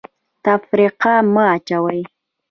تفرقه مه اچوئ